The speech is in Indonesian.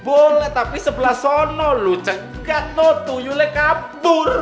boleh tapi sebelah sana lu cekat noh tuju leh kabur